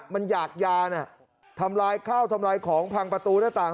มันอยากยาน่ะทำลายข้าวทำลายของพังประตูหน้าต่าง